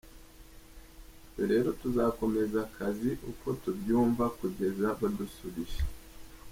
Twe rero tuzakomeza akazi uko tubyumva kugeza badusubije.